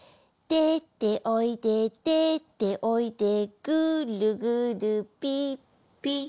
「でておいででておいでぐるぐるぴっぴ」